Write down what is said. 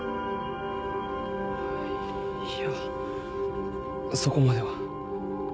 いやそこまでは。